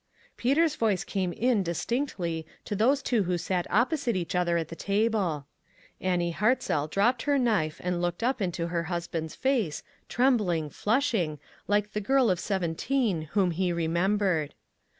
Peter's voice came in, distinctly, to those two who sat opposite each other at the table. Annie Hartzell dropped her knife and looked up into her husband's face, trem bling, flushing, like the girl of seventeen whom he remembered.